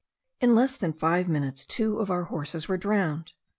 In less than five minutes two of our horses were drowned.